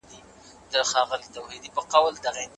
یا نوی مهارت زده کول.